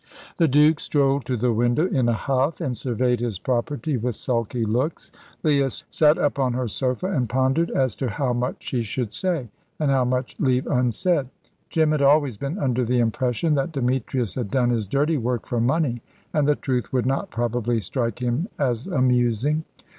The Duke strolled to the window in a huff, and surveyed his property with sulky looks. Leah sat up on her sofa and pondered as to how much she should say and how much leave unsaid. Jim had always been under the impression that Demetrius had done his dirty work for money, and the truth would not probably strike him as amusing.